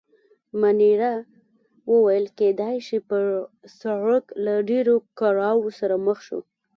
مانیرا وویل: کېدای شي، پر سړک له ډېرو کړاوو سره مخ شو.